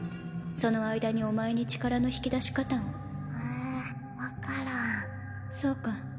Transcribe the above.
その間にお前に力の引き出し方をうう分からんそうか。